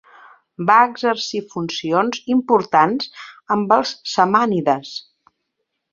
Va exercir funcions importants amb els samànides.